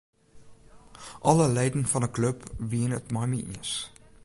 Alle leden fan 'e klup wiene it mei my iens.